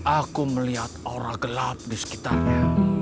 aku melihat orang gelap di sekitarnya